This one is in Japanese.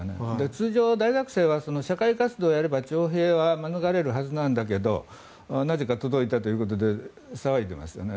通常、大学生は社会活動をすれば徴兵は免れるはずなんだけどなぜか届いたということで騒いでいますよね。